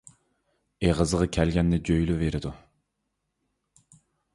ئېغىزىغا كەلگەننى جۆيلۈۋېرىدۇ.